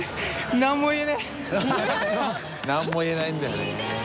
何も言えないんだよね。